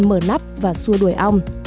mở nắp và xua đuổi ong